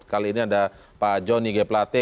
kali ini ada pak jonny g plate